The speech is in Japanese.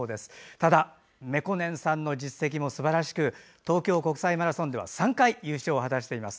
ただ、メコネンさんの実績もすばらしく東京国際マラソンでは３回優勝を果たしています。